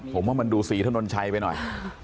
ผมว่ามันดูสีถนนชัยไปหน่อย